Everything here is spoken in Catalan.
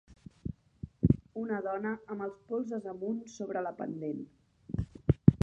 Una dona amb els polzes amunt sobre la pendent.